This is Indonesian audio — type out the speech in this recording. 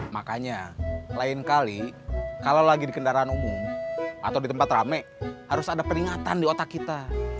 makanya lain kali kalau lagi di kendaraan umum atau di tempat rame harus ada peringatan di otak kita